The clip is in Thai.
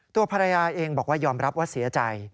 ตัวภรรยาเองบอกว่ายอมรับว่าเสียใจ